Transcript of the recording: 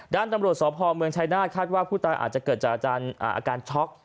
ด้านตำรวจสพเมืองชายนาฏคาดว่าผู้ตายอาจจะเกิดจากอาการช็อก